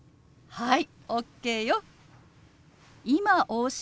はい！